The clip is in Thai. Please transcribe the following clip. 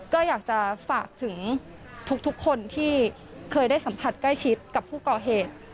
ก็อยากจะฝากถึงทุกคนที่เคยได้สัมผัสใกล้ชิดกับผู้ก่อเหตุ